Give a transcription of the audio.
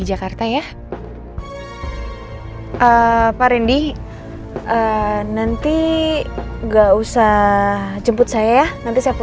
aku dijemput sama al